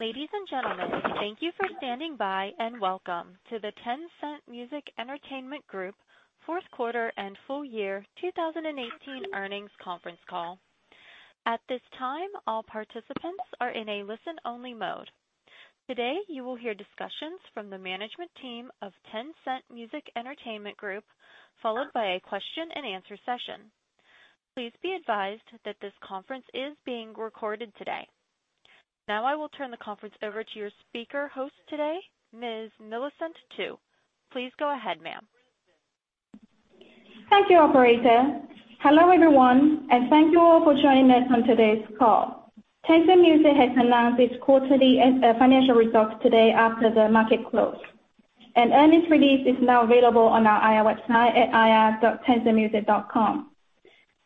Ladies and gentlemen, thank you for standing by, and welcome to the Tencent Music Entertainment Group fourth quarter and full year 2018 earnings conference call. At this time, all participants are in a listen-only mode. Today, you will hear discussions from the management team of Tencent Music Entertainment Group, followed by a question and answer session. Please be advised that this conference is being recorded today. Now I will turn the conference over to your speaker host today, Ms. Millicent Tu. Please go ahead, ma'am. Thank you, operator. Hello, everyone, and thank you all for joining us on today's call. Tencent Music has announced its quarterly financial results today after the market close. An earnings release is now available on our IR website at ir.tencentmusic.com.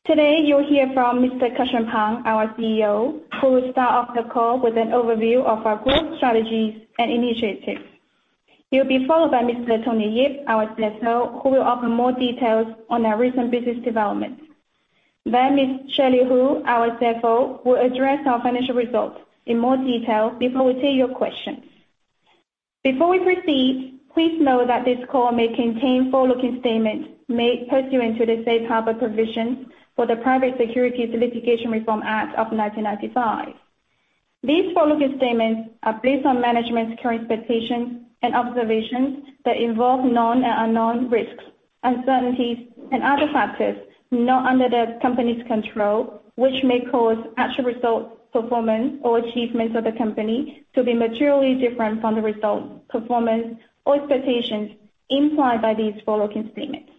Today, you'll hear from Mr. Cussion Pang, our CEO, who will start off the call with an overview of our growth strategies and initiatives. He'll be followed by Mr. Tony Yip, our CSO, who will offer more details on our recent business developments. Ms. Shirley Hu, our CFO, will address our financial results in more detail before we take your questions. Before we proceed, please know that this call may contain forward-looking statements made pursuant to the Safe Harbor Provisions for the Private Securities Litigation Reform Act of 1995. These forward-looking statements are based on management's current expectations and observations that involve known and unknown risks, uncertainties, and other factors not under the company's control, which may cause actual results, performance, or achievements of the company to be materially different from the results, performance or expectations implied by these forward-looking statements.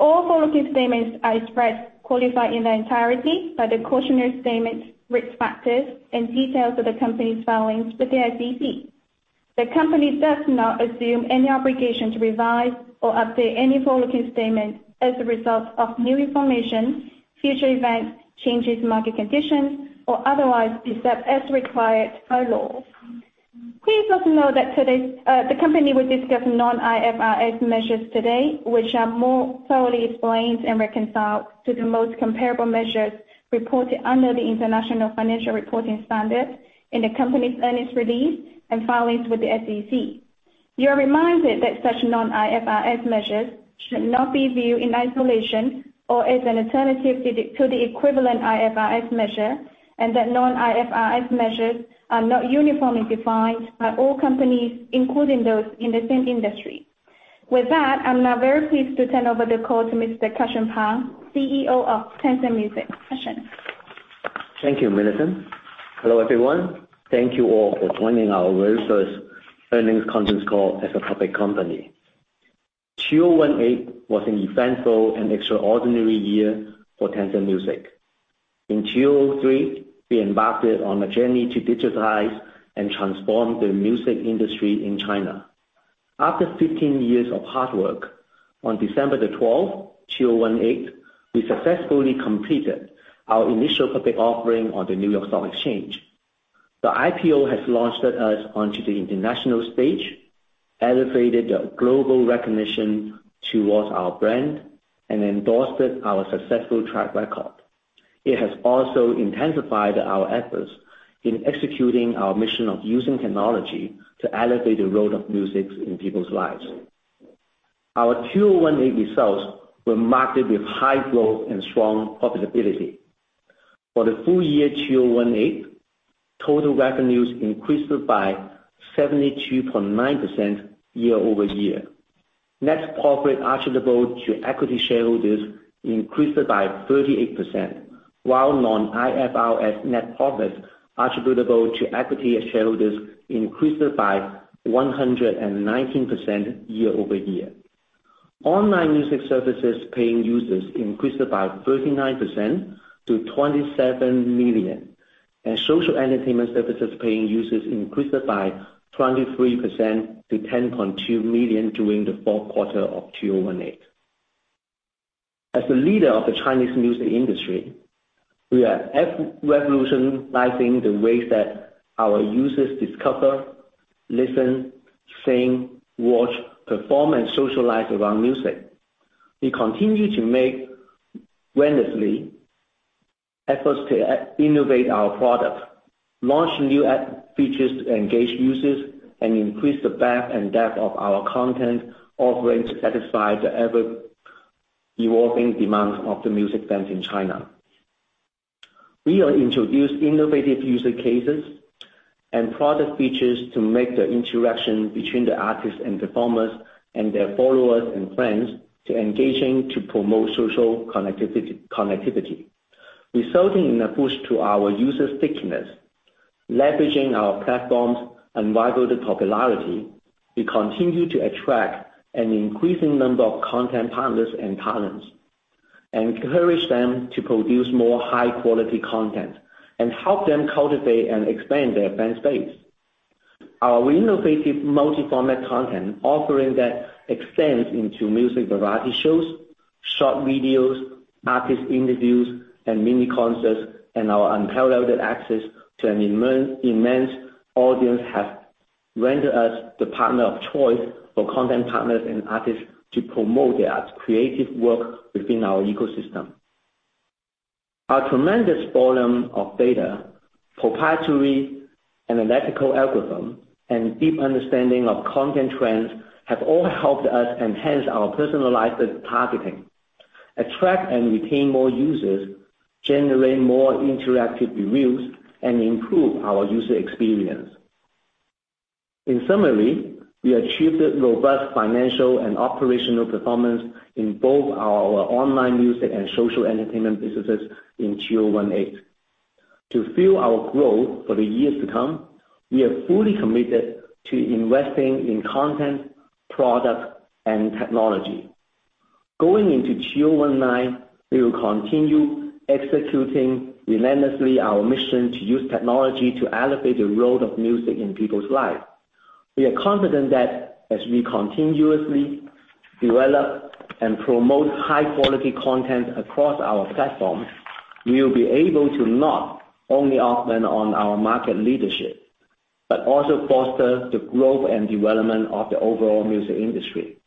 All forward-looking statements expressed qualify in their entirety by the cautionary statements, risk factors, and details of the company's filings with the SEC. The company does not assume any obligation to revise or update any forward-looking statements as a result of new information, future events, changes in market conditions, or otherwise, except as required by law. Please also know that the company will discuss non-IFRS measures today, which are more thoroughly explained and reconciled to the most comparable measures reported under the International Financial Reporting Standards in the company's earnings release and filings with the SEC. You are reminded that such non-IFRS measures should not be viewed in isolation or as an alternative to the equivalent IFRS measure, and that non-IFRS measures are not uniformly defined by all companies, including those in the same industry. With that, I'm now very pleased to turn over the call to Mr. Cussion Pang, CEO of Tencent Music. Cussion. Thank you, Millicent. Hello, everyone. Thank you all for joining our very first earnings conference call as a public company. 2018 was an eventful and extraordinary year for Tencent Music. In 2003, we embarked on a journey to digitize and transform the music industry in China. After 15 years of hard work, on December the 12th, 2018, we successfully completed our initial public offering on the New York Stock Exchange. The IPO has launched us onto the international stage, elevated the global recognition towards our brand, and endorsed our successful track record. It has also intensified our efforts in executing our mission of using technology to elevate the role of music in people's lives. Our 2018 results were marked with high growth and strong profitability. For the full year 2018, total revenues increased by 72.9% year-over-year. Net profit attributable to equity shareholders increased by 38%, while non-IFRS net profits attributable to equity shareholders increased by 119% year-over-year. Online music services paying users increased by 39% to 27 million, and social entertainment services paying users increased by 23% to 10.2 million during the fourth quarter of 2018. As the leader of the Chinese music industry, we are revolutionizing the ways that our users discover, listen, sing, watch, perform, and socialize around music. We continue to make relentless efforts to innovate our product, launch new app features to engage users, and increase the breadth and depth of our content offering to satisfy the ever-evolving demands of the music fans in China. We have introduced innovative user cases and product features to make the interaction between the artists and performers and their followers and friends more engaging to promote social connectivity, resulting in a boost to our user stickiness. Leveraging our platforms and viral popularity, we continue to attract an increasing number of content partners and talents, encourage them to produce more high-quality content, and help them cultivate and expand their fan base. Our innovative multi-format content offering that extends into music variety shows, short videos, artist interviews, and mini concerts, and our unparalleled access to an immense audience, have rendered us the partner of choice for content partners and artists to promote their creative work within our ecosystem. Our tremendous volume of data, proprietary analytical algorithm, and deep understanding of content trends have all helped us enhance our personalized targeting, attract and retain more users, generate more interactive reviews, and improve our user experience. In summary, we achieved a robust financial and operational performance in both our online music and social entertainment businesses in 2018. To fuel our growth for the years to come, we are fully committed to investing in content, product, and technology. Going into 2019, we will continue executing relentlessly our mission to use technology to elevate the role of music in people's lives. We are confident that as we continuously develop and promote high-quality content across our platforms, we will be able to not only augment on our market leadership, but also foster the growth and development of the overall music industry.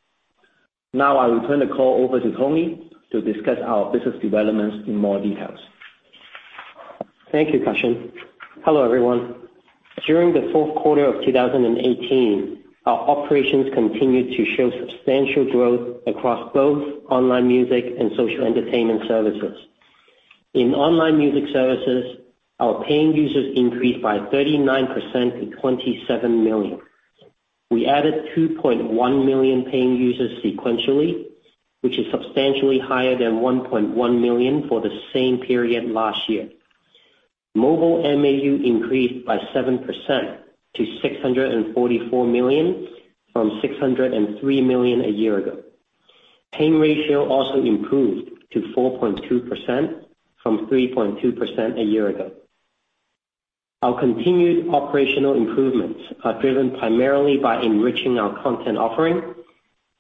Now, I will turn the call over to Tony to discuss our business developments in more details. Thank you, Cussion. Hello, everyone. During the fourth quarter of 2018, our operations continued to show substantial growth across both online music services and social entertainment services. In online music services, our paying users increased by 39% to 27 million. We added 2.1 million paying users sequentially, which is substantially higher than 1.1 million for the same period last year. Mobile MAU increased by 7% to 644 million from 603 million a year ago. Paying ratio also improved to 4.2% from 3.2% a year ago. Our continued operational improvements are driven primarily by enriching our content offering,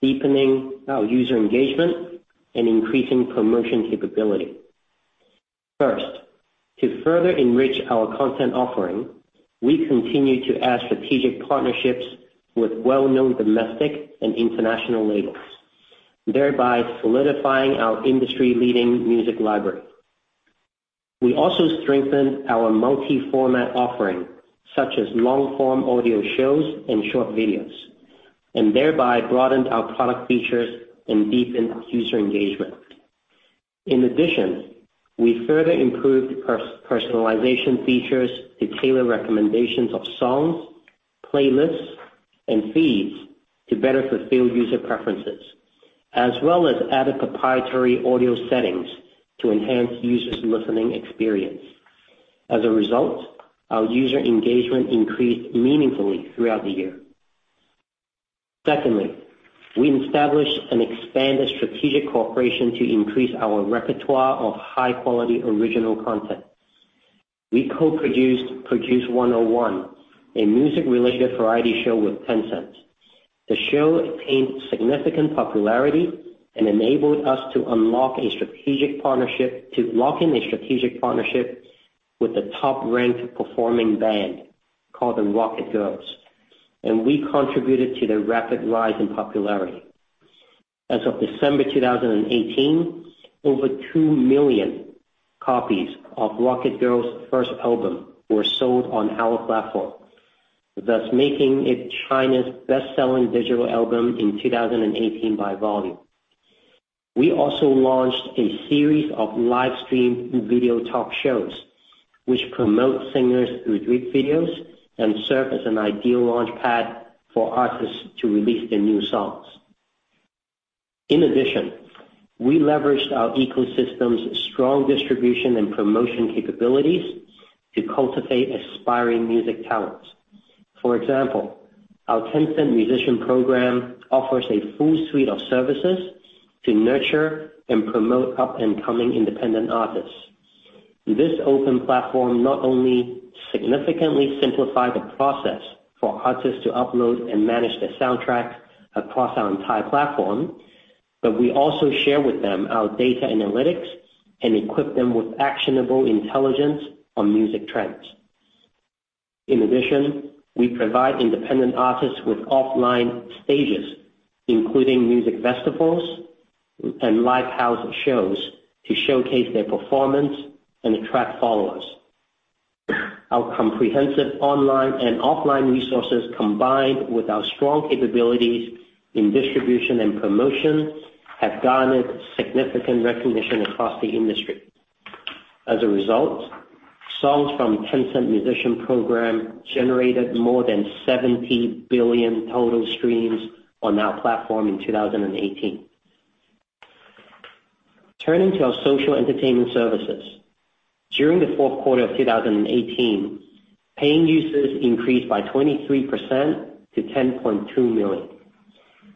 deepening our user engagement, and increasing promotion capability. First, to further enrich our content offering, we continue to add strategic partnerships with well-known domestic and international labels, thereby solidifying our industry-leading music library. We also strengthened our multi-format offering, such as long-form audio shows and short videos, thereby broadened our product features and deepened user engagement. In addition, we further improved personalization features to tailor recommendations of songs, playlists, and feeds to better fulfill user preferences, as well as add a proprietary audio settings to enhance users' listening experience. As a result, our user engagement increased meaningfully throughout the year. Secondly, we established an expanded strategic cooperation to increase our repertoire of high-quality original content. We co-produced Produce 101, a music-related variety show with Tencent. The show attained significant popularity and enabled us to lock in a strategic partnership with the top-ranked performing band called the Rocket Girls, and we contributed to their rapid rise in popularity. As of December 2018, over 2 million copies of Rocket Girls' first album were sold on our platform, thus making it China's best-selling digital album in 2018 by volume. We also launched a series of live-stream video talk shows, which promote singers through drip videos and serve as an ideal launchpad for artists to release their new songs. In addition, we leveraged our ecosystem's strong distribution and promotion capabilities to cultivate aspiring music talents. For example, our Tencent Musician Program offers a full suite of services to nurture and promote up-and-coming independent artists. This open platform not only significantly simplified the process for artists to upload and manage their soundtrack across our entire platform, we also share with them our data analytics and equip them with actionable intelligence on music trends. In addition, we provide independent artists with offline stages, including music festivals and live house shows, to showcase their performance and attract followers. Our comprehensive online and offline resources, combined with our strong capabilities in distribution and promotion, have garnered significant recognition across the industry. As a result, songs from Tencent Musician Program generated more than 70 billion total streams on our platform in 2018. Turning to our social entertainment services. During the fourth quarter of 2018, paying users increased by 23% to 10.2 million.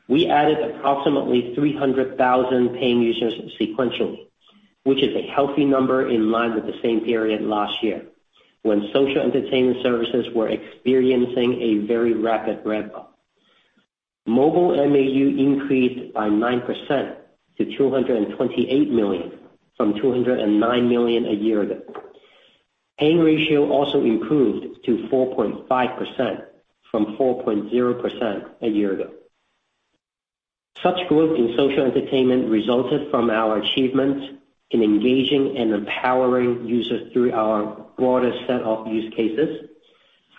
We added approximately 300,000 paying users sequentially, which is a healthy number in line with the same period last year, when social entertainment services were experiencing a very rapid ramp-up. Mobile MAU increased by 9% to 228 million from 209 million a year ago. Paying ratio also improved to 4.5% from 4.0% a year ago. Such growth in social entertainment resulted from our achievements in engaging and empowering users through our broader set of use cases,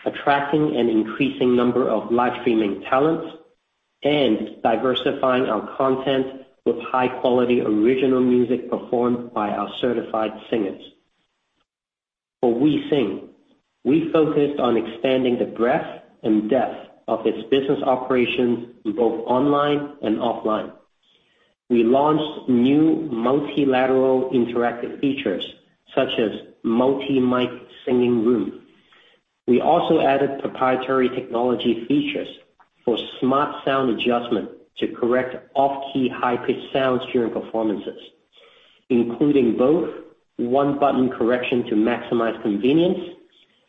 attracting an increasing number of live streaming talents, and diversifying our content with high-quality original music performed by our certified singers. For WeSing, we focused on expanding the breadth and depth of its business operations in both online and offline. We launched new multilateral interactive features such as Multi-Mic Singing Room. We also added proprietary technology features for smart sound adjustment to correct off-key, high-pitched sounds during performances, including both one-button correction to maximize convenience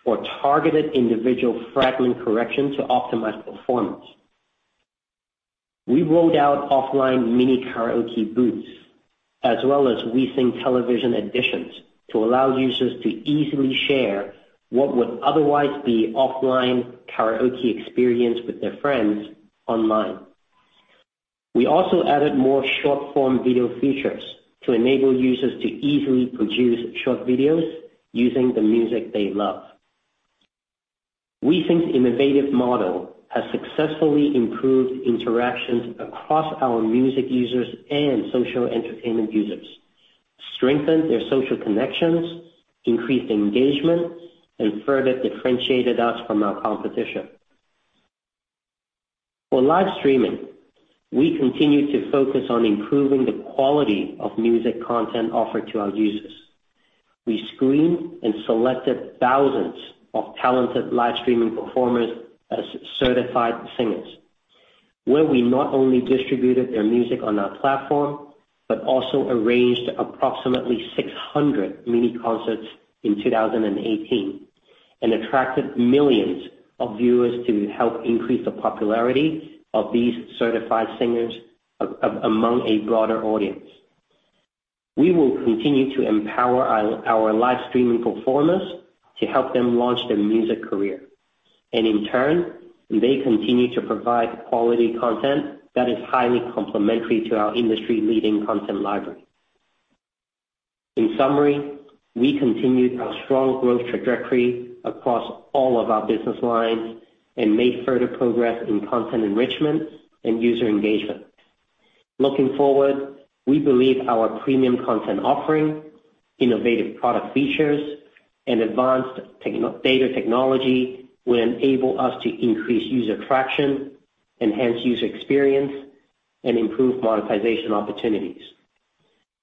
or targeted individual fragment correction to optimize performance. We rolled out offline mini karaoke booths as well as WeSing television editions to allow users to easily share what would otherwise be offline karaoke experience with their friends online. We also added more short-form video features to enable users to easily produce short videos using the music they love. WeSing's innovative model has successfully improved interactions across our music users and social entertainment users, strengthened their social connections, increased engagement, and further differentiated us from our competition. For live streaming, we continued to focus on improving the quality of music content offered to our users. We screened and selected thousands of talented live streaming performers as certified singers, where we not only distributed their music on our platform, but also arranged approximately 600 mini concerts in 2018, and attracted millions of viewers to help increase the popularity of these certified singers among a broader audience. We will continue to empower our live streaming performers to help them launch their music career. In turn, they continue to provide quality content that is highly complementary to our industry-leading content library. In summary, we continued our strong growth trajectory across all of our business lines and made further progress in content enrichment and user engagement. Looking forward, we believe our premium content offering, innovative product features, and advanced data technology will enable us to increase user traction, enhance user experience, and improve monetization opportunities.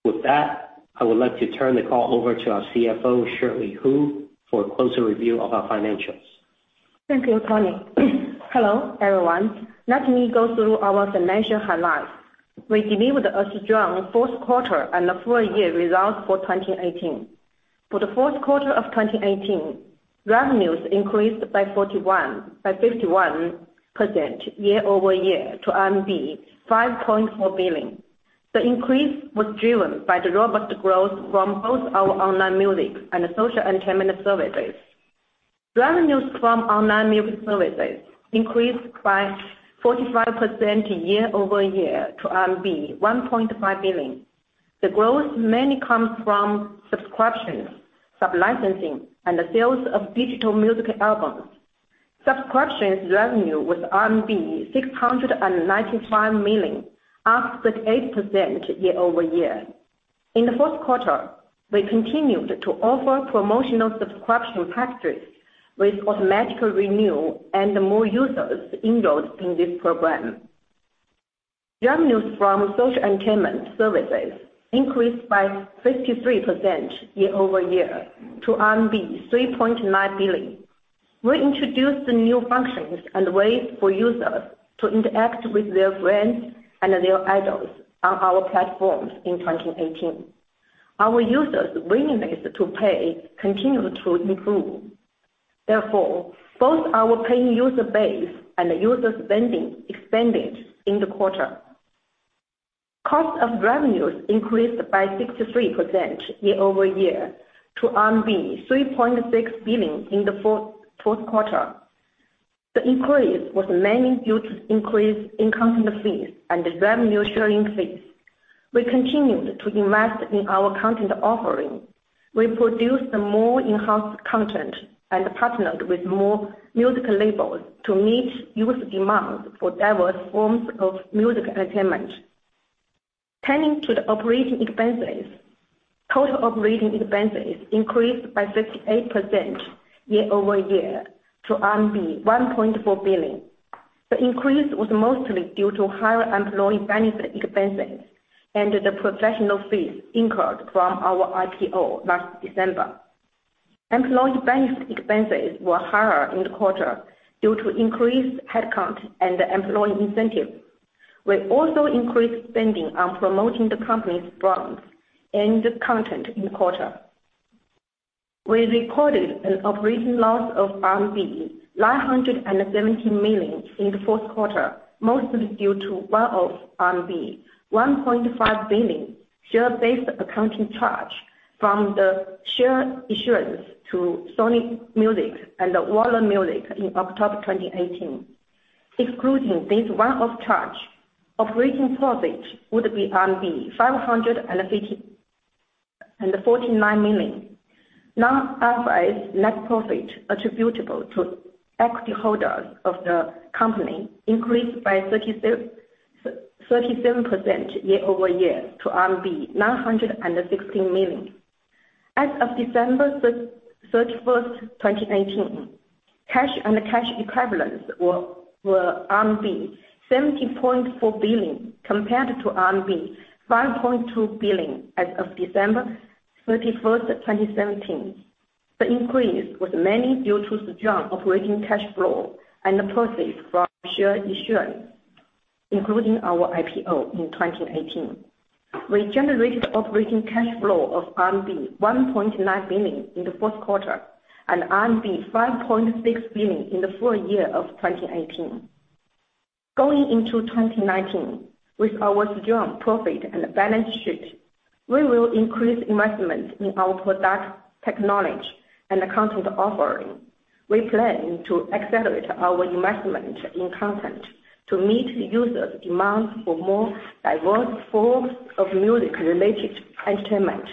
With that, I would like to turn the call over to our CFO, Shirley Hu, for a closer review of our financials. Thank you, Tony. Hello, everyone. Let me go through our financial highlights. We delivered a strong fourth quarter and a full year results for 2018. For the fourth quarter of 2018, revenues increased by 51% year-over-year to RMB 5.4 billion. The increase was driven by the robust growth from both our online music services and social entertainment services. Revenues from online music services increased by 45% year-over-year to RMB 1.5 billion. The growth mainly comes from subscriptions, sublicensing, and the sales of digital music albums. Subscriptions revenue was RMB 695 million, up 38% year-over-year. In the fourth quarter, we continued to offer promotional subscription packages with automatic renewal and more users enrolled in this program. Revenues from social entertainment services increased by 53% year-over-year to RMB 3.9 billion. We introduced new functions and ways for users to interact with their friends and their idols on our platforms in 2018. Our users' willingness to pay continued to improve. Both our paying user base and user spending expanded in the quarter. Cost of revenues increased by 63% year-over-year to RMB 3.6 billion in the fourth quarter. The increase was mainly due to increase in content fees and revenue sharing fees. We continued to invest in our content offering. We produced more enhanced content and partnered with more music labels to meet user demand for diverse forms of music entertainment. Turning to the operating expenses. Total operating expenses increased by 58% year-over-year to RMB 1.4 billion. The increase was mostly due to higher employee benefit expenses and the professional fees incurred from our IPO last December. Employee benefit expenses were higher in the quarter due to increased headcount and employee incentive. We also increased spending on promoting the company's brands and content in the quarter. We recorded an operating loss of RMB 917 million in the fourth quarter, mostly due to one-off RMB 1.5 billion share-based accounting charge from the share issuance to Sony Music and Warner Music in October 2018. Excluding this one-off charge, operating profit would be RMB 549 million. Non-IFRS net profit attributable to equity holders of the company increased by 37% year-over-year to RMB 916 million. As of December 31st, 2018, cash and cash equivalents were RMB 17.4 billion, compared to RMB 5.2 billion as of December 31st, 2017. The increase was mainly due to strong operating cash flow and the proceeds from share issuance, including our IPO in 2018. We generated operating cash flow of RMB 1.9 billion in the fourth quarter and RMB 5.6 billion in the full year of 2018. Going into 2019 with our strong profit and balance sheet, we will increase investment in our product technology and content offering. We plan to accelerate our investment in content to meet users' demand for more diverse forms of music-related entertainment.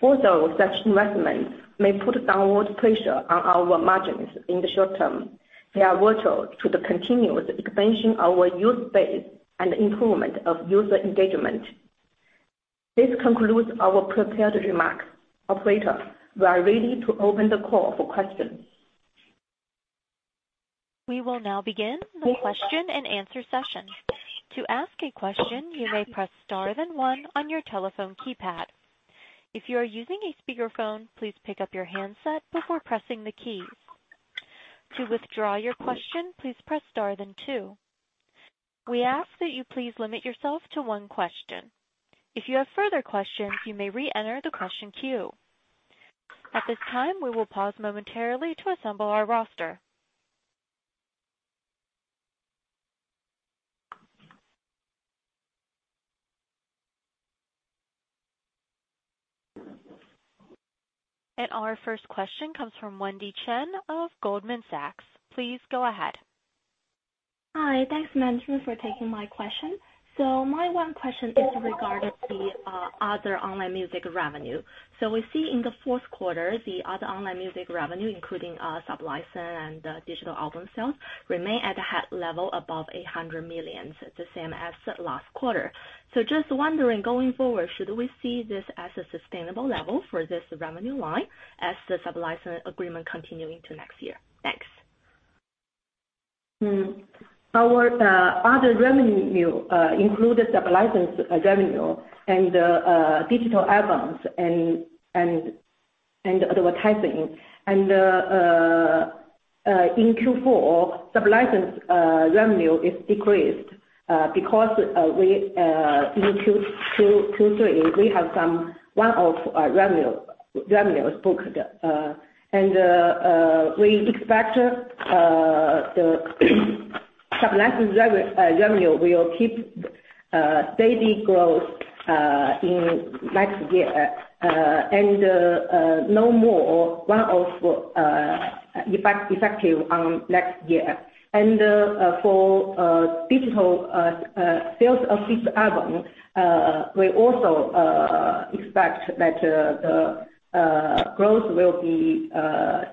Such investments may put downward pressure on our margins in the short term. They are vital to the continuous expansion of our user base and improvement of user engagement. This concludes our prepared remarks. Operator, we are ready to open the call for questions. We will now begin the question and answer session. To ask a question, you may press star then one on your telephone keypad. If you are using a speakerphone, please pick up your handset before pressing the keys. To withdraw your question, please press star then two. We ask that you please limit yourself to one question. If you have further questions, you may re-enter the question queue. At this time, we will pause momentarily to assemble our roster. Our first question comes from Wendy Chen of Goldman Sachs. Please go ahead. Hi. Thanks, management, for taking my question. My one question is regarding the other online music revenue. We see in the fourth quarter, the other online music revenue, including sublicense and digital album sales, remain at a high level above 800 million, the same as last quarter. Just wondering, going forward, should we see this as a sustainable level for this revenue line as the sublicense agreement continue into next year? Thanks. Our other revenue includes sublicense revenue and digital albums and advertising. In Q4, sublicense revenue is decreased because in Q3, we have some one-off revenue booked. We expect the sublicense revenue will keep steady growth in next year. No more one-off effective on next year. For digital sales of each album, we also expect that the growth will be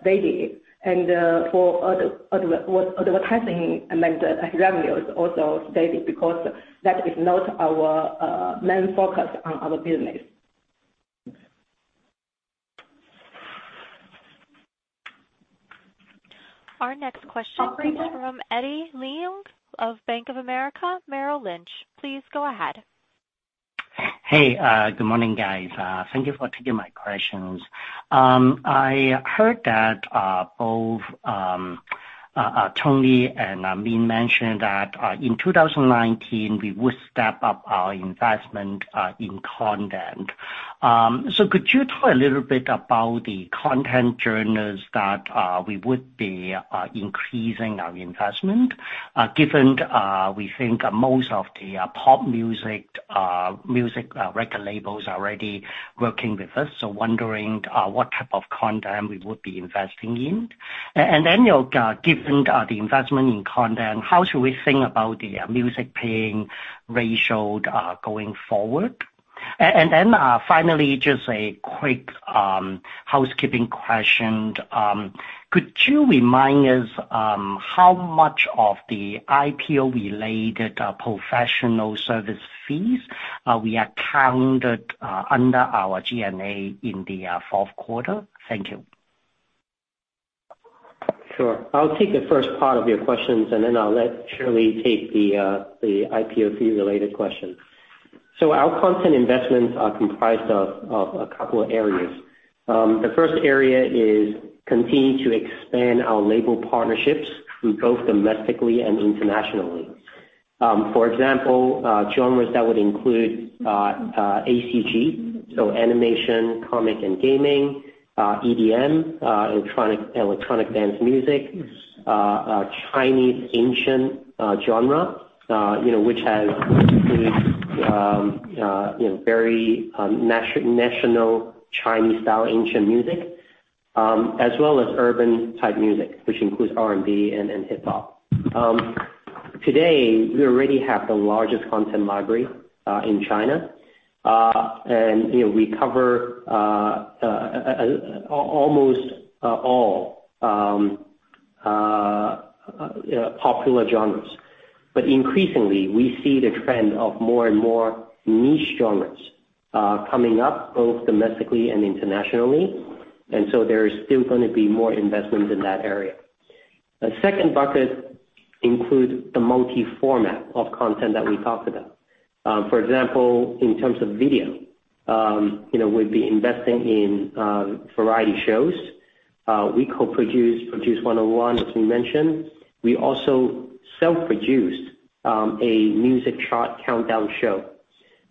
steady, and for advertising amount revenue is also steady because that is not our main focus on our business. Our next question comes from Eddie Leung of Bank of America Merrill Lynch. Please go ahead. Hey, good morning, guys. Thank you for taking my questions. I heard that both Tony and Min mentioned that in 2019, we would step up our investment in content. Could you talk a little bit about the content genres that we would be increasing our investment, given we think most of the pop music record labels are already working with us, wondering what type of content we would be investing in. Given the investment in content, how should we think about the music paying ratio going forward? Finally, just a quick housekeeping question. Could you remind us how much of the IPO-related professional service fees we accounted under our G&A in the fourth quarter? Thank you. Sure. I'll take the first part of your questions, then I'll let Shirley take the IPO fee-related question. Our content investments are comprised of a couple of areas. The first area is continue to expand our label partnerships through both domestically and internationally. For example, genres that would include ACG, animation, comic, and gaming; EDM, electronic dance music; Chinese ancient genre, which has very national Chinese style ancient music, as well as urban type music, which includes R&B and hip-hop. Today, we already have the largest content library in China. We cover almost all popular genres. Increasingly, we see the trend of more and more niche genres coming up, both domestically and internationally. There is still going to be more investment in that area. The second bucket includes the multi-format of content that we talked about. For example, in terms of video, we'd be investing in variety shows. We co-produce Produce 101, as we mentioned. We also self-produced a music chart countdown show,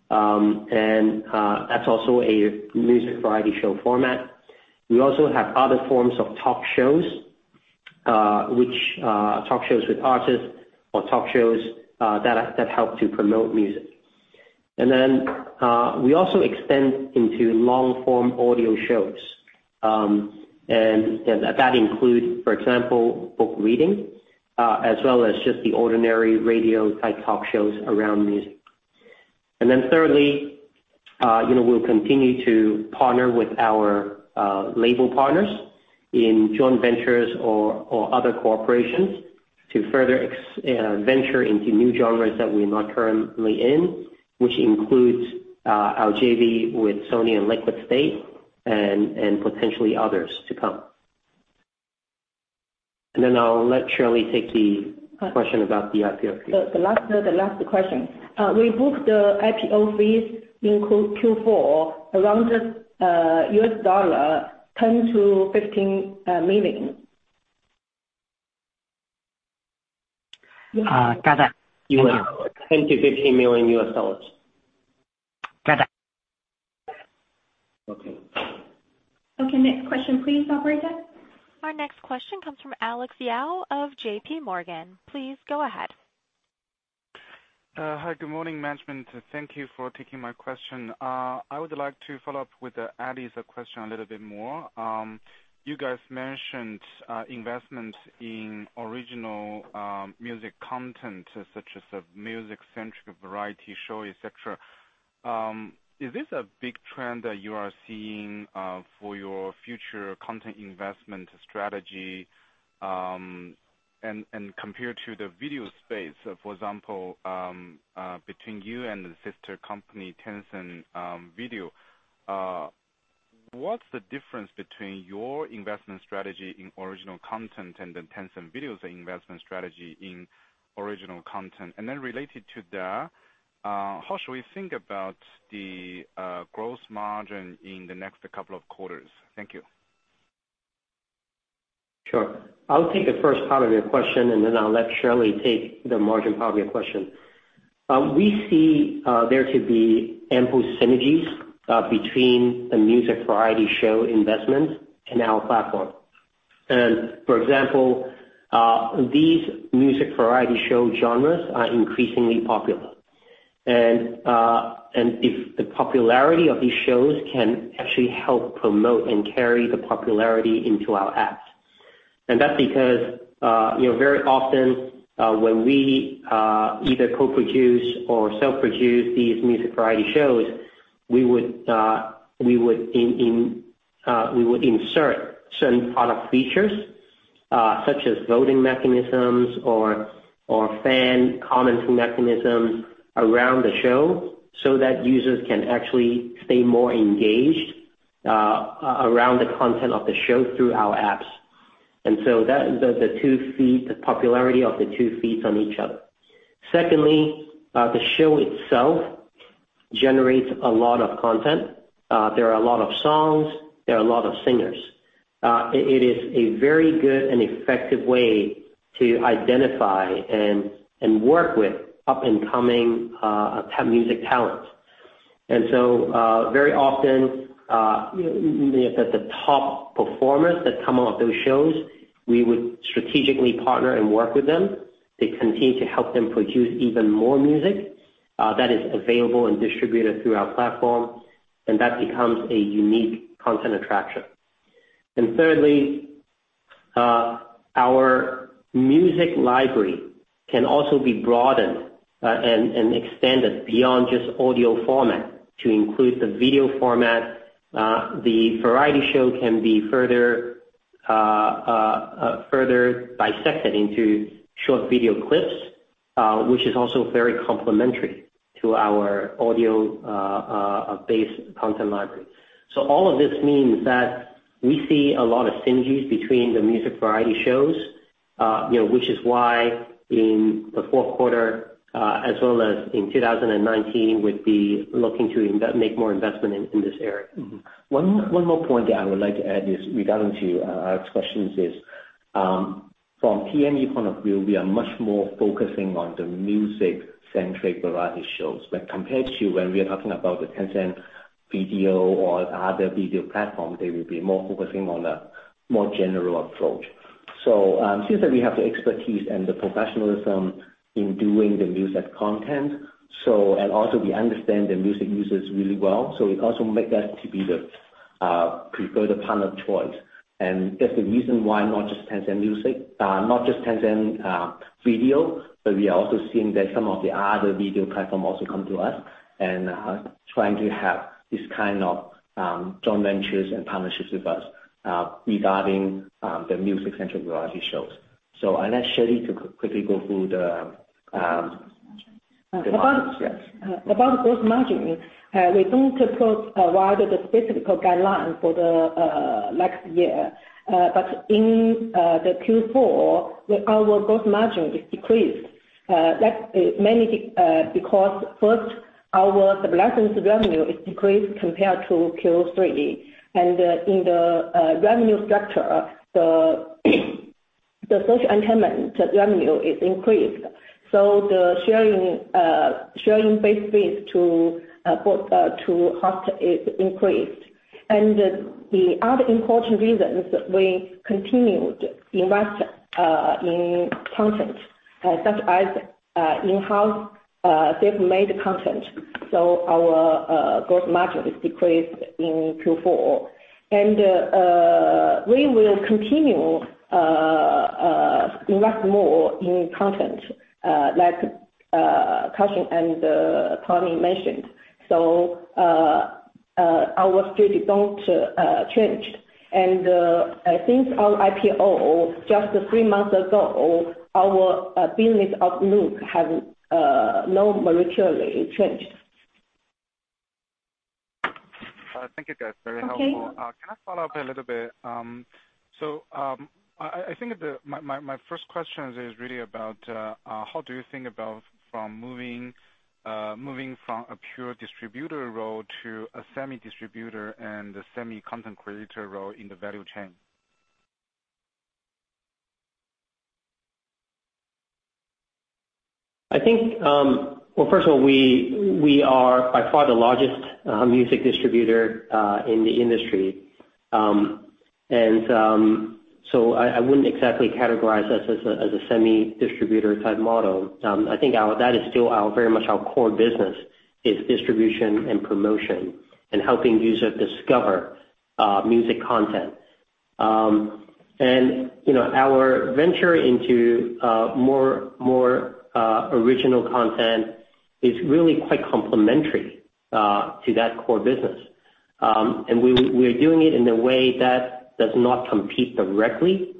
and that's also a music variety show format. We also have other forms of talk shows, which are talk shows with artists or talk shows that help to promote music. We also extend into long-form audio shows. That includes, for example, book reading, as well as just the ordinary radio-type talk shows around music. Thirdly, we'll continue to partner with our label partners in joint ventures or other corporations to further venture into new genres that we're not currently in, which includes our JV with Sony and Liquid State and potentially others to come. I'll let Shirley take the question about the IPO fee. The last question. We book the IPO fees in Q4 around US dollar, $10 million-$15 million. $10 million-$15 million US dollars. Got that. Okay. Okay. Next question, please, operator. Our next question comes from Alex Yao of JPMorgan. Please go ahead. Hi. Good morning, management. Thank you for taking my question. I would like to follow up with Eddie's question a little bit more. You guys mentioned investment in original music content such as music-centric variety show, et cetera. Is this a big trend that you are seeing for your future content investment strategy? Compared to the video space, for example, between you and the sister company, Tencent Video, what's the difference between your investment strategy in original content and the Tencent Video's investment strategy in original content? Then related to that, how should we think about the gross margin in the next couple of quarters? Thank you. Sure. I'll take the first part of your question, then I'll let Shirley take the margin part of your question. We see there could be ample synergies between the music variety show investment and our platform. For example, these music variety show genres are increasingly popular. If the popularity of these shows can actually help promote and carry the popularity into our apps. That's because, very often, when we either co-produce or self-produce these music variety shows, we would insert certain product features, such as voting mechanisms or fan commenting mechanisms around the show so that users can actually stay more engaged around the content of the show through our apps. So the popularity of the two feeds on each other. Secondly, the show itself generates a lot of content. There are a lot of songs, there are a lot of singers. It is a very good and effective way to identify and work with up-and-coming music talent. So, very often the top performers that come off those shows, we would strategically partner and work with them to continue to help them produce even more music that is available and distributed through our platform, and that becomes a unique content attraction. Thirdly, our music library can also be broadened and extended beyond just audio format to include the video format. The variety show can be further dissected into short video clips, which is also very complementary to our audio-based content library. All of this means that we see a lot of synergies between the music variety shows, which is why in the fourth quarter, as well as in 2019, we'll be looking to make more investment in this area. One more point that I would like to add regarding to Alex's questions is, from TME point of view, we are much more focusing on the music-centric variety shows. Compared to when we are talking about Tencent Video or other video platform, they will be more focusing on the more general approach. Since that we have the expertise and the professionalism in doing the music content. Also we understand the music users really well, so it also make us to be the preferred partner of choice. That's the reason why not just Tencent Video, but we are also seeing that some of the other video platform also come to us and trying to have this kind of joint ventures and partnerships with us regarding the music-centric variety shows. I let Shirley to quickly go through the- About gross margin. Yes. About gross margin, we don't quote rather the specific guideline for the next year. In the Q4, our gross margin is decreased. That's mainly because, first, our subscriptions revenue is decreased compared to Q3. In the revenue structure, the social entertainment revenue is increased. The sharing base fee to host increased. The other important reason is that we continued to invest in content, such as in-house self-made content. Our gross margin is decreased in Q4. We will continue invest more in content, like Cussion and Tony mentioned. Our strategy don't change. I think our IPO, just 3 months ago, our business outlook have no materially changed. Thank you, guys. Very helpful. Okay. Can I follow up a little bit? I think my first question is really about, how do you think about from moving from a pure distributor role to a semi-distributor and a semi-content creator role in the value chain? I think, well, first of all, we are by far the largest music distributor in the industry. I wouldn't exactly categorize us as a semi-distributor type model. I think that is still very much our core business, is distribution and promotion and helping user discover music content. Our venture into more original content is really quite complementary to that core business. We're doing it in a way that does not compete directly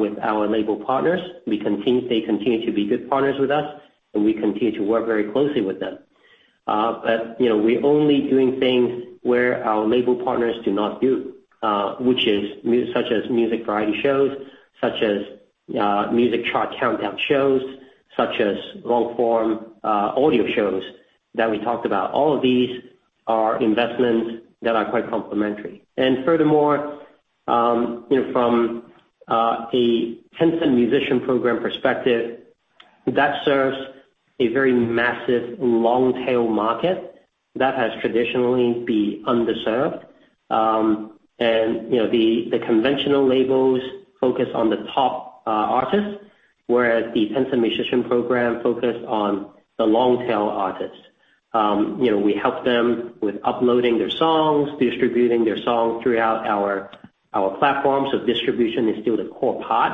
with our label partners. They continue to be good partners with us, and we continue to work very closely with them. We're only doing things where our label partners do not do, such as music variety shows, such as music chart countdown shows, such as long-form audio shows that we talked about. All of these are investments that are quite complementary. Furthermore, from a Tencent Musician Program perspective, that serves a very massive long-tail market that has traditionally been underserved. The conventional labels focus on the top artists, whereas the Tencent Musician Program focus on the long-tail artists. We help them with uploading their songs, distributing their songs throughout our platforms, distribution is still the core part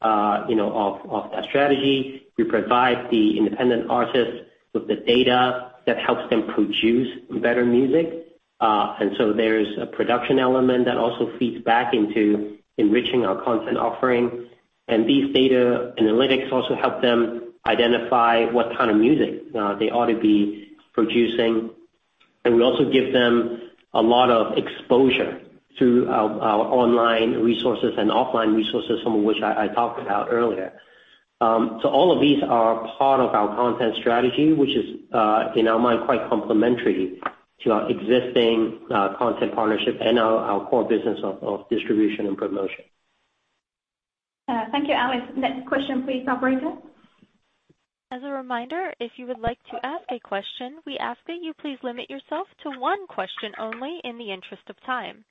of that strategy. We provide the independent artists with the data that helps them produce better music. There's a production element that also feeds back into enriching our content offering. These data analytics also help them identify what kind of music they ought to be producing. We also give them a lot of exposure through our online resources and offline resources, some of which I talked about earlier. All of these are part of our content strategy, which is, in our mind, quite complementary to our existing content partnership and our core business of distribution and promotion. Thank you, Alex. Next question please, operator. As a reminder, if you would like to ask a question, we ask that you please limit yourself to one question only in the interest of time.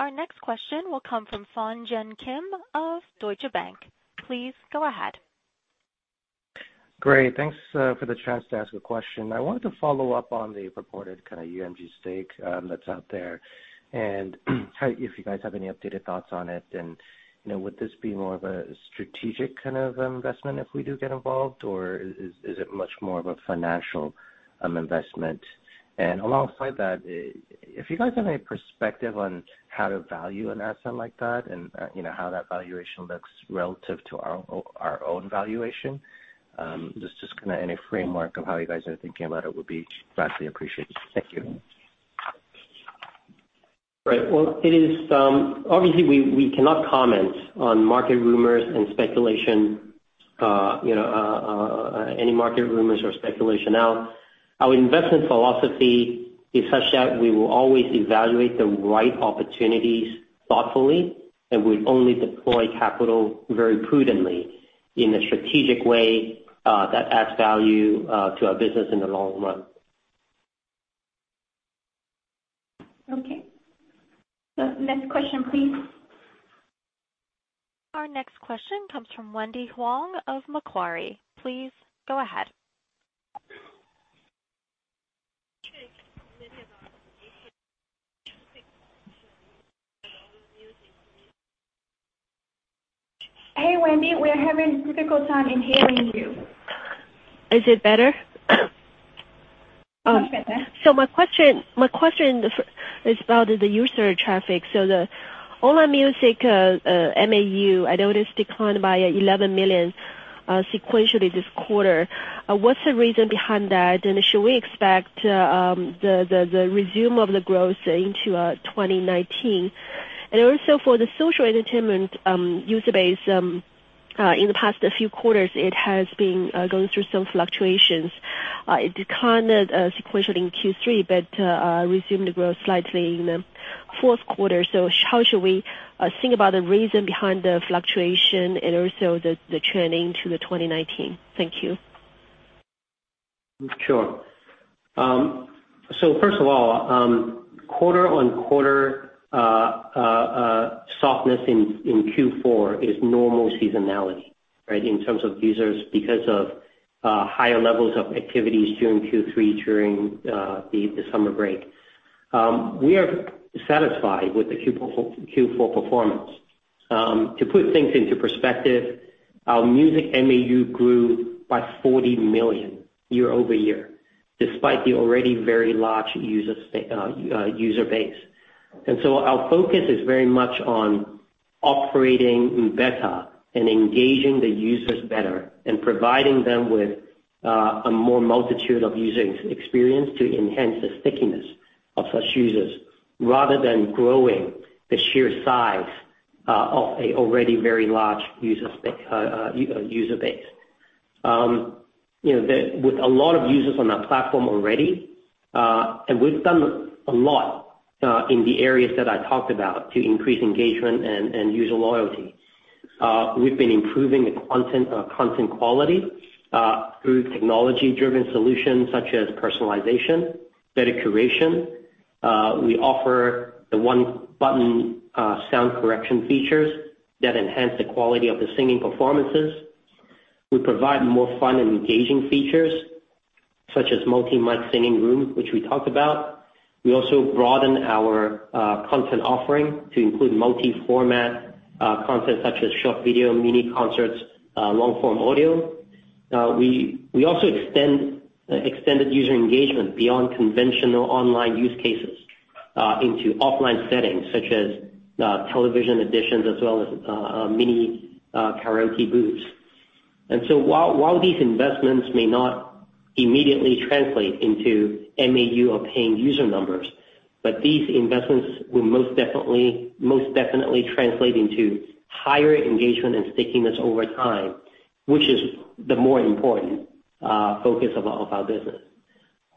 Our next question will come from Song Jun Kim of Deutsche Bank. Please go ahead. Great. Thanks for the chance to ask a question. I wanted to follow up on the reported kind of UMG stake that's out there and if you guys have any updated thoughts on it, and would this be more of a strategic kind of investment if we do get involved, or is it much more of a financial investment? Alongside that, if you guys have any perspective on how to value an asset like that and how that valuation looks relative to our own valuation, just any framework of how you guys are thinking about it would be vastly appreciated. Thank you. Right. Well, obviously, we cannot comment on market rumors and speculation, any market rumors or speculation. Our investment philosophy is such that we will always evaluate the right opportunities thoughtfully, and we only deploy capital very prudently in a strategic way that adds value to our business in the long run. Next question, please. Our next question comes from Wendy Huang of Macquarie. Please go ahead. Hey, Wendy, we're having a difficult time hearing you. Is it better? Much better. My question is about the user traffic. The online music MAU, I noticed declined by 11 million sequentially this quarter. What's the reason behind that? Should we expect the resume of the growth into 2019? Also for the social entertainment user base, in the past few quarters, it has been going through some fluctuations. It declined sequentially in Q3, but resumed growth slightly in the fourth quarter. How should we think about the reason behind the fluctuation and also the trending to 2019? Thank you. Sure. First of all, quarter-on-quarter softness in Q4 is normal seasonality, right? In terms of users, because of higher levels of activities during Q3, during the summer break. We are satisfied with the Q4 performance. To put things into perspective, our music MAU grew by 40 million year-over-year, despite the already very large user base. Our focus is very much on operating better and engaging the users better, and providing them with a more multitude of user experience to enhance the stickiness of such users, rather than growing the sheer size of an already very large user base. With a lot of users on our platform already, we've done a lot in the areas that I talked about to increase engagement and user loyalty. We've been improving the content quality through technology-driven solutions such as personalization, better curation. We offer the one-button sound correction features that enhance the quality of the singing performances. We provide more fun and engaging features such as Multi-Mic Singing Room, which we talked about. We also broaden our content offering to include multi-format content such as short video, mini concerts, long-form audio. We also extended user engagement beyond conventional online use cases into offline settings such as television editions as well as mini karaoke booths. While these investments may not immediately translate into MAU or paying user numbers, these investments will most definitely translate into higher engagement and stickiness over time, which is the more important focus of our business.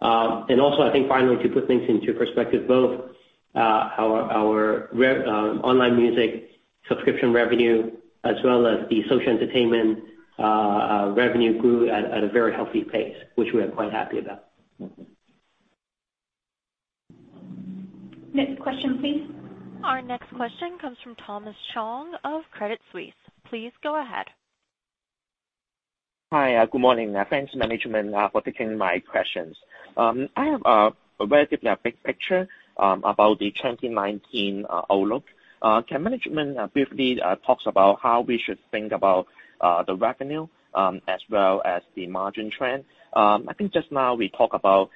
Also, I think finally, to put things into perspective, both our online music subscription revenue as well as the social entertainment revenue grew at a very healthy pace, which we are quite happy about. Next question, please. Our next question comes from Thomas Chong of Credit Suisse. Please go ahead. Hi. Good morning. Thanks management for taking my questions. I have a relatively big picture about the 2019 outlook. Can management briefly talk about how we should think about the revenue as well as the margin trend? I think just now we talk about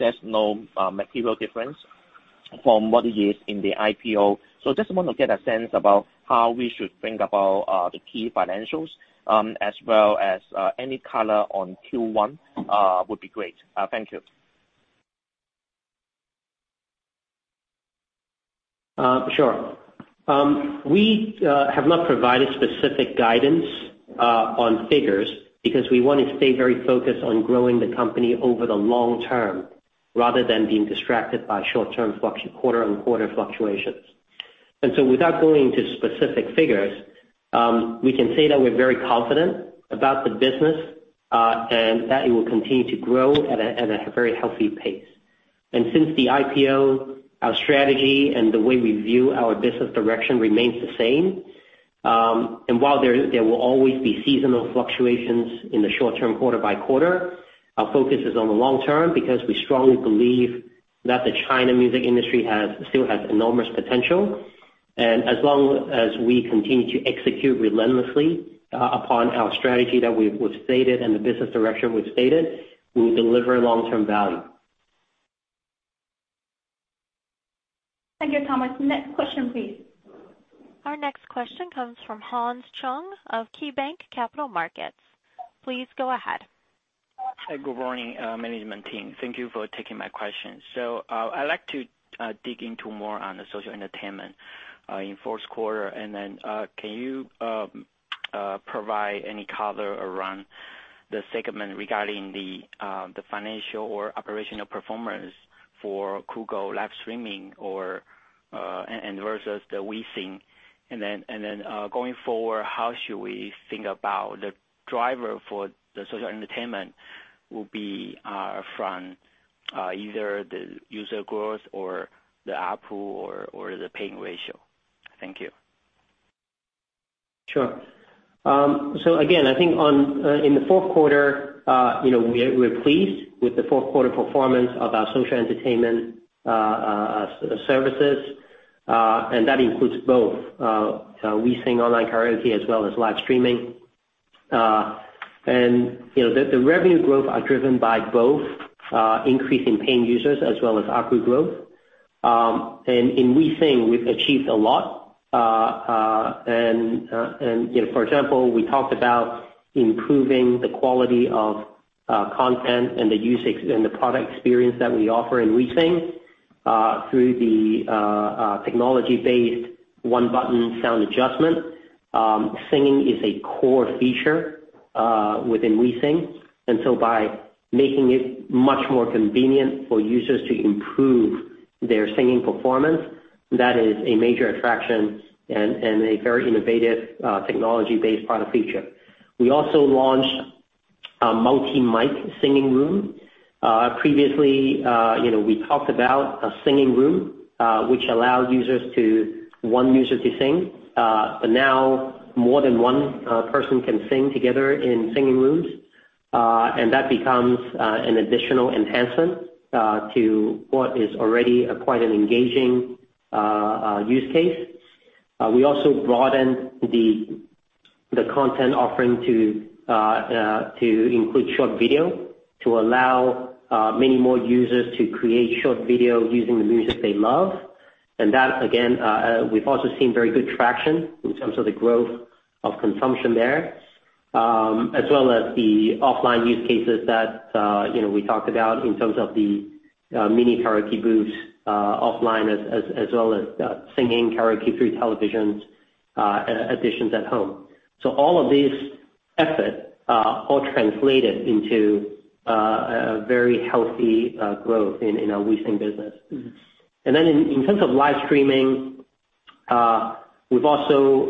there's no material difference from what it is in the IPO. Just want to get a sense about how we should think about the key financials as well as any color on Q1 would be great. Thank you. Sure. We have not provided specific guidance on figures because we want to stay very focused on growing the company over the long term rather than being distracted by short-term quarter-on-quarter fluctuations. Without going into specific figures, we can say that we're very confident about the business and that it will continue to grow at a very healthy pace. Since the IPO, our strategy and the way we view our business direction remains the same. While there will always be seasonal fluctuations in the short term quarter-by-quarter, our focus is on the long term because we strongly believe that the China music industry still has enormous potential. As long as we continue to execute relentlessly upon our strategy that we've stated and the business direction we've stated, we will deliver long-term value. Thank you, Thomas. Next question, please. Our next question comes from Hans Chung of KeyBanc Capital Markets. Please go ahead. Good morning management team. Thank you for taking my questions. I'd like to dig into more on the social entertainment in the first quarter. Can you provide any color around the segment regarding the financial or operational performance for Kugou live streaming versus the WeSing? Going forward, how should we think about the driver for the social entertainment? Will be from either the user growth or the ARPU or the paying ratio. Thank you. Sure. Again, I think in the fourth quarter, we're pleased with the fourth quarter performance of our social entertainment services, that includes both WeSing online karaoke as well as live streaming. The revenue growth are driven by both increasing paying users as well as ARPU growth. In WeSing, we've achieved a lot. For example, we talked about improving the quality of content and the product experience that we offer in WeSing through the technology-based one button sound adjustment. Singing is a core feature within WeSing. By making it much more convenient for users to improve their singing performance, that is a major attraction and a very innovative, technology-based product feature. We also launched a Multi-Mic Singing Room. Previously, we talked about a singing room, which allowed one user to sing. Now more than one person can sing together in singing rooms, That becomes an additional enhancement to what is already quite an engaging use case. We also broadened the content offering to include short video to allow many more users to create short video using the music they love. That, again, we've also seen very good traction in terms of the growth of consumption there, as well as the offline use cases that we talked about in terms of the mini karaoke booth offline, as well as singing karaoke through televisions additions at home. All of these efforts all translated into a very healthy growth in our WeSing business. In terms of live streaming, we've also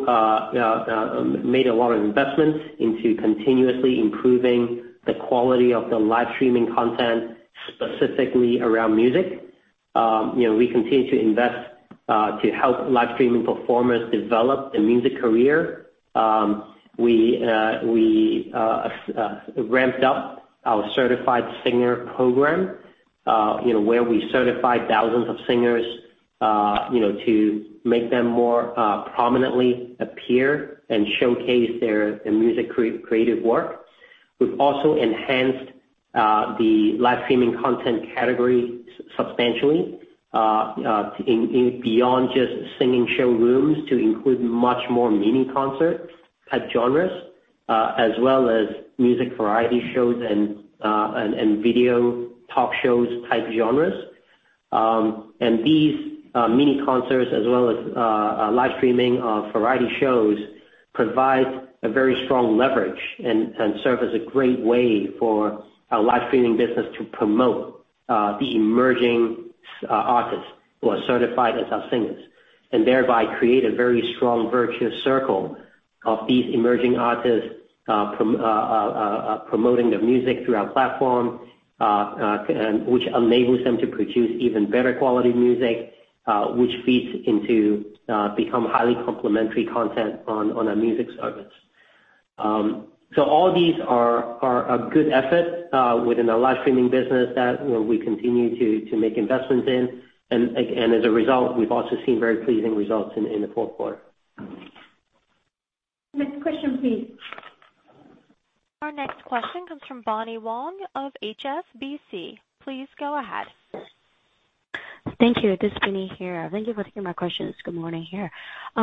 made a lot of investments into continuously improving the quality of the live streaming content, specifically around music. We continue to invest to help live streaming performers develop their music career. We ramped up our certified singer program, where we certified thousands of singers to make them more prominently appear and showcase their music creative work. We've also enhanced the live streaming content category substantially beyond just singing showrooms to include much more mini concert type genres, as well as music variety shows and video talk shows type genres. These mini concerts as well as live streaming of variety shows, provide a very strong leverage and serve as a great way for our live streaming business to promote the emerging artists who are certified as our singers, Thereby create a very strong virtuous circle of these emerging artists promoting their music through our platform, which enables them to produce even better quality music, which feeds into become highly complementary content on our music service. All these are a good effort within our live streaming business that we continue to make investments in. As a result, we've also seen very pleasing results in the fourth quarter. Next question, please. Our next question comes from Binnie Wong of HSBC. Please go ahead. Thank you. This is Binnie here. Thank you for taking my questions. Good morning here.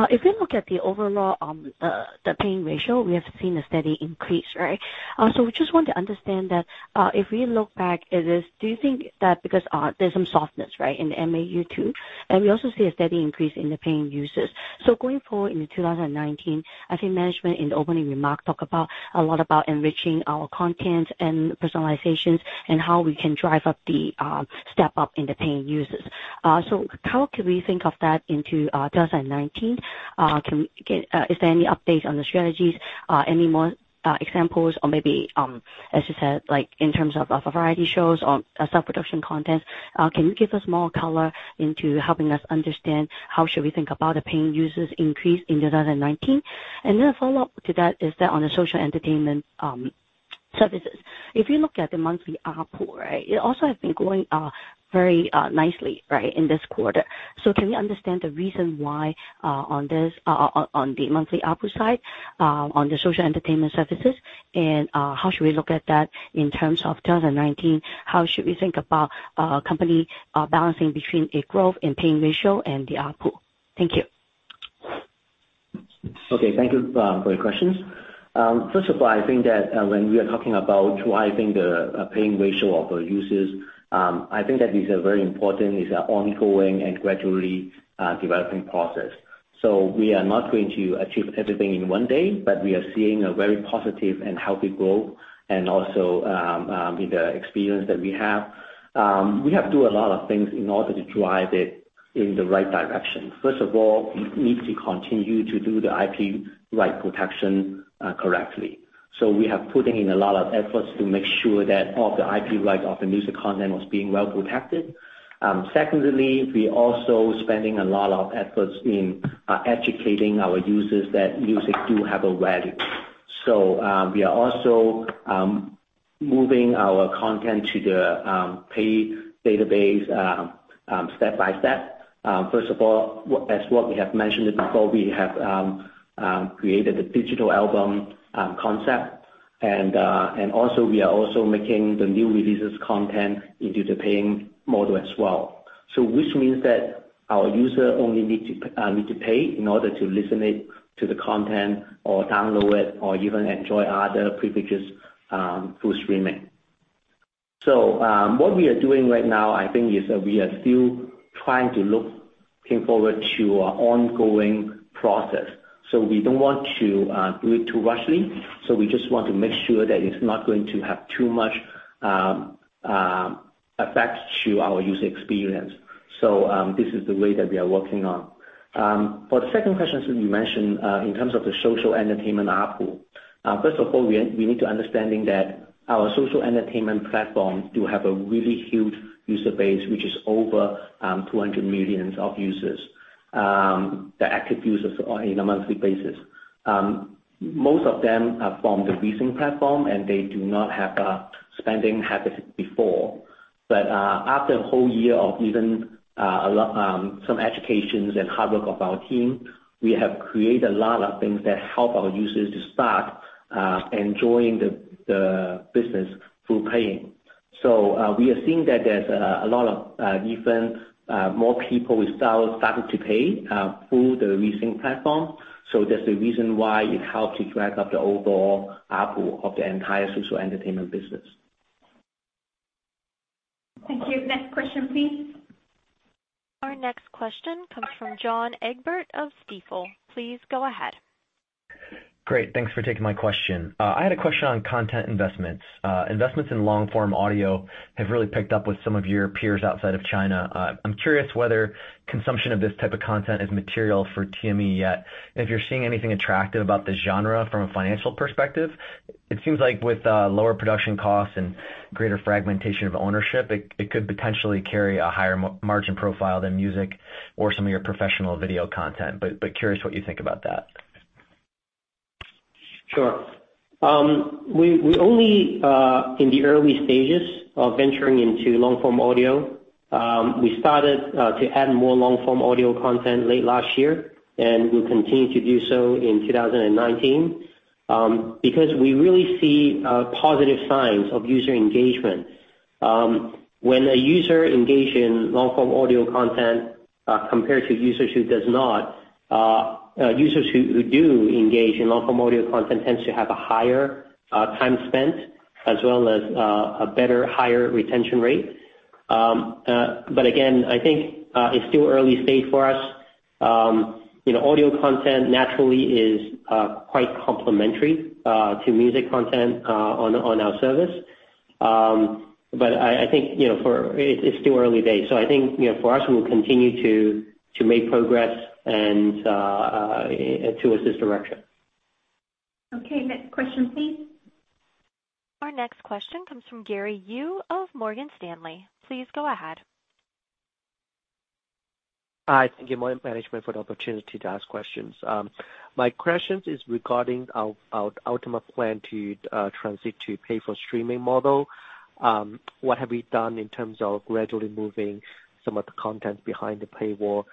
If we look at the overall, the paying ratio, we have seen a steady increase, right? We just want to understand that, if we look back at this, do you think that because there is some softness, right, in MAU too, and we also see a steady increase in the paying users. Going forward into 2019, I think management in the opening remark talk a lot about enriching our content and personalizations and how we can drive up the step-up in the paying users. How could we think of that into 2019? Is there any update on the strategies? Any more examples or maybe, as you said, like in terms of variety shows or self-production content, can you give us more color into helping us understand how should we think about the paying users increase in 2019? Then a follow-up to that is that on the social entertainment services. If you look at the monthly ARPU, right, it also has been going very nicely, right, in this quarter. Can we understand the reason why on the monthly ARPU side, on the social entertainment services, and how should we look at that in terms of 2019? How should we think about company balancing between a growth in paying ratio and the ARPU? Thank you. Okay. Thank you for your questions. First of all, I think that when we are talking about driving the paying ratio of our users, I think that these are very important. These are ongoing and gradually developing process. We are not going to achieve everything in one day, but we are seeing a very positive and healthy growth and also with the experience that we have. We have to do a lot of things in order to drive it In the right direction. First of all, we need to continue to do the IP right protection correctly. We have putting in a lot of efforts to make sure that all the IP rights of the music content was being well-protected. Secondly, we also spending a lot of efforts in educating our users that music do have a value. We are also moving our content to the paid database step-by-step. First of all, as what we have mentioned before, we have created a digital album concept, and also we are also making the new releases content into the paying model as well. Which means that our user only need to pay in order to listen it to the content or download it, or even enjoy other privileges through streaming. What we are doing right now, I think, is we are still trying to look came forward to our ongoing process. We don't want to do it too rushedly. We just want to make sure that it's not going to have too much effect to our user experience. This is the way that we are working on. For the second question that you mentioned, in terms of the social entertainment ARPU. First of all, we need to understanding that our social entertainment platform do have a really huge user base, which is over 200 million users, the active users on a monthly basis. Most of them are from the WeSing platform, and they do not have a spending habit before. After a whole year of even some educations and hard work of our team, we have created a lot of things that help our users to start enjoying the business through paying. We are seeing that there's a lot of even more people who started to pay through the WeSing platform. That's the reason why it helped to drive up the overall ARPU of the entire social entertainment business. Thank you. Next question, please. Our next question comes from John Egbert of Stifel. Please go ahead. Great. Thanks for taking my question. I had a question on content investments. Investments in long-form audio have really picked up with some of your peers outside of China. I'm curious whether consumption of this type of content is material for TME yet. If you're seeing anything attractive about the genre from a financial perspective, it seems like with lower production costs and greater fragmentation of ownership, it could potentially carry a higher margin profile than music or some of your professional video content. Curious what you think about that. Sure. We only in the early stages of venturing into long-form audio. We started to add more long-form audio content late last year, and we'll continue to do so in 2019, because we really see positive signs of user engagement. When a user engage in long-form audio content compared to users who does not, users who do engage in long-form audio content tends to have a higher time spent as well as a better, higher retention rate. Again, I think it's still early stage for us. Audio content naturally is quite complementary to music content on our service. I think it's still early days. I think for us, we'll continue to make progress and to assist direction. Okay. Next question, please. Our next question comes from Gary Yu of Morgan Stanley. Please go ahead. Hi. Thank you, Morgan management, for the opportunity to ask questions. My questions is regarding our ultimate plan to transit to pay for streaming model. What have we done in terms of gradually moving some of the content behind the paywall?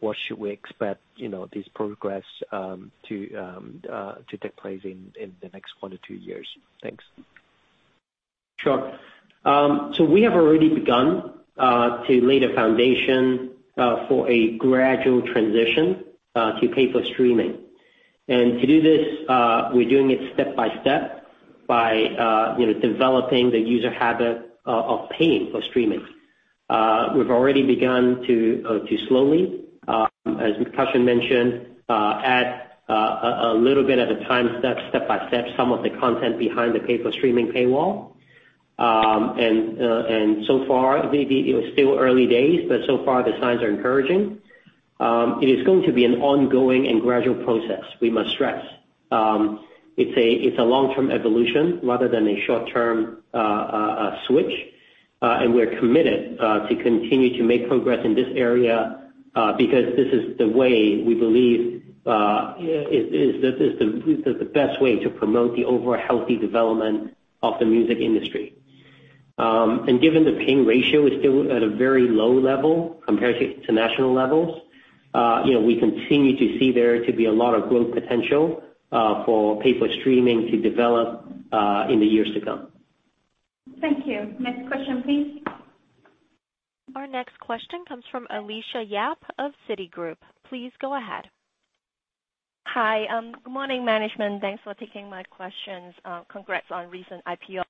What should we expect these progress to take place in the next one to two years? Thanks. We have already begun to lay the foundation for a gradual transition to pay for streaming. To do this, we're doing it step-by-step by developing the user habit of paying for streaming. We've already begun to slowly, as Cussion mentioned, add a little bit at a time, step-by-step, some of the content behind the pay for streaming paywall. So far, it is still early days, but so far the signs are encouraging. It is going to be an ongoing and gradual process, we must stress. It's a long-term evolution rather than a short-term switch. We're committed to continue to make progress in this area, because this is the way we believe is the best way to promote the overall healthy development of the music industry. Given the paying ratio is still at a very low level compared to international levels, we continue to see there to be a lot of growth potential for pay for streaming to develop in the years to come. Thank you. Next question, please. Our next question comes from Alicia Yap of Citigroup. Please go ahead. Hi. Good morning, management. Thanks for taking my questions. Congrats on recent IPO.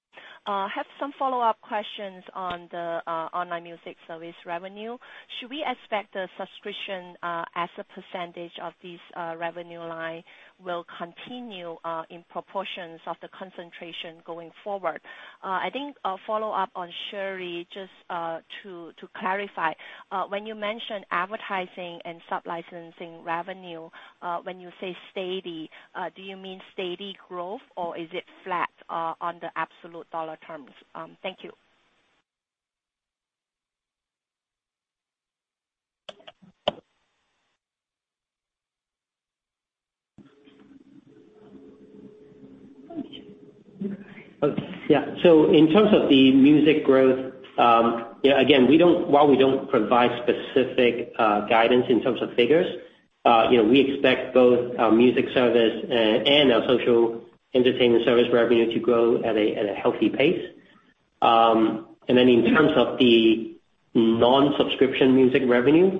Have some follow-up questions on the online music service revenue. Should we expect a subscription as a percentage of this revenue line will continue in proportions of the concentration going forward? I think a follow-up on Shirley, just to clarify, when you mention advertising and sublicensing revenue, when you say steady, do you mean steady growth or is it flat on the absolute RMB terms? Thank you. Yeah. In terms of the music growth, again, while we don't provide specific guidance in terms of figures, we expect both our music service and our social entertainment service revenue to grow at a healthy pace. In terms of the non-subscription music revenue,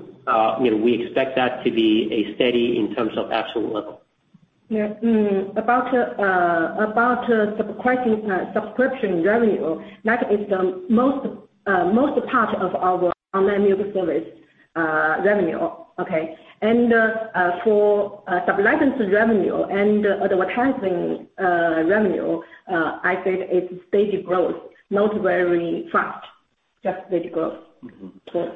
we expect that to be steady in terms of absolute growth. Yeah. About subscription revenue, that is the most part of our online music service revenue. Okay. For sublicensing revenue and advertising revenue, I said it's steady growth, not very fast, just steady growth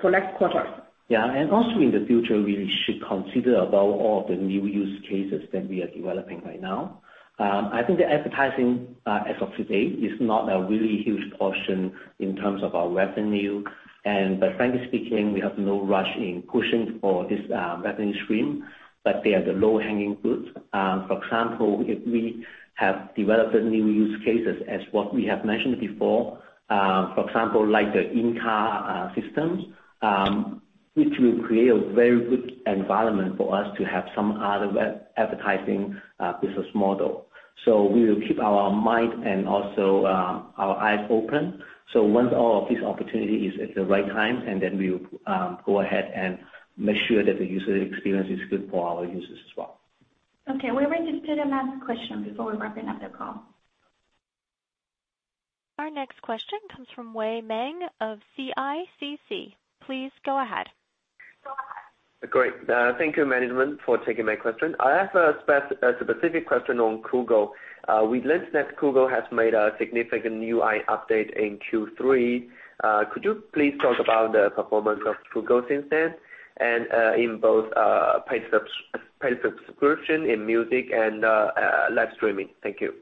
for next quarter. Yeah. Also in the future, we should consider about all of the new use cases that we are developing right now. I think the advertising, as of today, is not a really huge portion in terms of our revenue. Frankly speaking, we have no rush in pushing for this revenue stream, but they are the low-hanging fruits. For example, if we have developed new use cases as what we have mentioned before, for example, like the in-car systems, which will create a very good environment for us to have some other advertising business model. We will keep our mind and also our eyes open. Once all of these opportunity is at the right time, and then we will go ahead and make sure that the user experience is good for our users as well. Okay. We will take the next question before we wrapping up the call. Our next question comes from Wei Meng of CICC. Please go ahead. Great. Thank you, management, for taking my question. I have a specific question on Kugou. We learned that Kugou has made a significant UI update in Q3. Could you please talk about the performance of Kugou since then and in both paid subscription in music and live streaming? Thank you.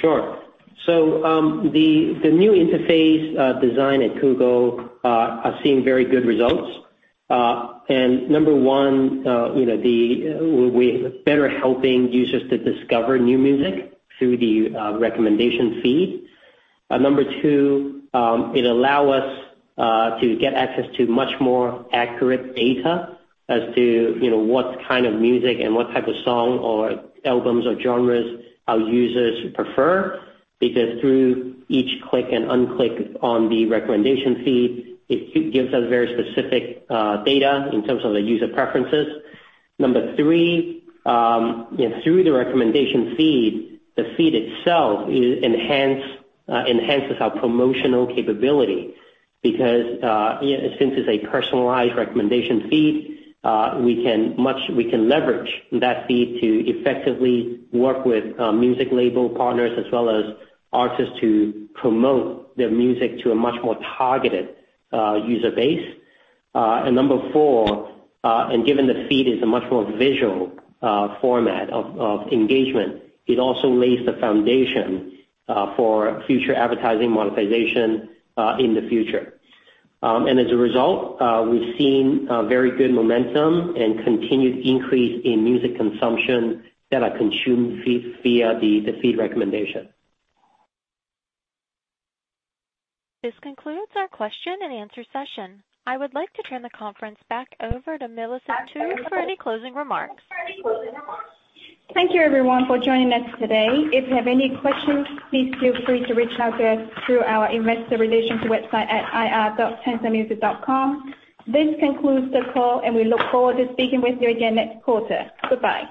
Sure. The new interface design at Kugou are seeing very good results. Number 1, we're better helping users to discover new music through the recommendation feed. Number 2, it allow us to get access to much more accurate data as to what kind of music and what type of song or albums or genres our users prefer. Because through each click and unclick on the recommendation feed, it gives us very specific data in terms of the user preferences. Number 3, through the recommendation feed, the feed itself enhances our promotional capability because since it's a personalized recommendation feed, we can leverage that feed to effectively work with music label partners as well as artists to promote their music to a much more targeted user base. Number 4, given the feed is a much more visual format of engagement, it also lays the foundation for future advertising monetization in the future. As a result, we've seen very good momentum and continued increase in music consumption that are consumed via the feed recommendation. This concludes our question and answer session. I would like to turn the conference back over to Millicent Tu for any closing remarks. Thank you, everyone, for joining us today. If you have any questions, please feel free to reach out to us through our investor relations website at ir.tencentmusic.com. This concludes the call, and we look forward to speaking with you again next quarter. Goodbye.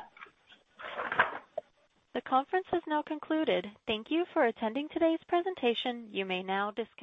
The conference has now concluded. Thank you for attending today's presentation. You may now disconnect.